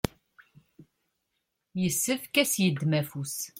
yessefk ad s-yeddem afus.